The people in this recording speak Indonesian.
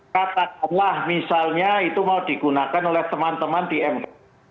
katakanlah misalnya itu mau digunakan oleh teman teman di mk